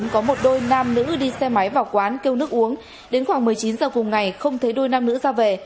có một đôi nam nữ đi xe máy vào quán kêu nước uống đến khoảng một mươi chín giờ cùng ngày không thấy đôi nam nữ ra về